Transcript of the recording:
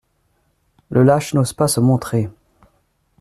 Le lâche n'ose pas se montrer.